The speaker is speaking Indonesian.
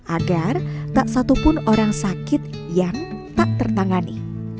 agar tak satupun orang sakit yang tak tertangani